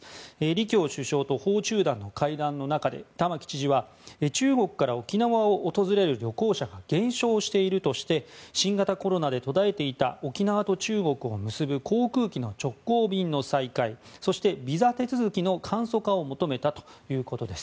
李強首相と訪中団の会談の中で玉城知事は中国から沖縄を訪れる旅行者が減少しているとして新型コロナで途絶えていた沖縄と中国を結ぶ航空機の直行便の再開そして、ビザ手続きの簡素化を求めたということです。